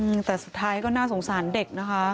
อืมแต่สุดท้ายก็น่าสงสารเด็กนะคะ